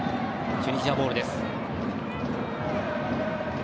チュニジアボールです。